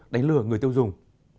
đánh lừa người tiêu dùng